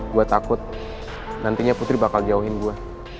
gue takut nantinya putri bakal jauhin gue